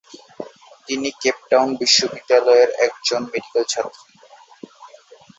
তিনি Cape Town বিশ্ববিদ্যালয়ের একজন মেডিকেল ছাত্রী।